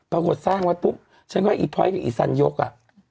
ปรากฏสร้างว่าปุ๊บฉันก็ให้อีพร้อยกับอีสันยกอ่ะ